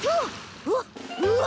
うわっうわ！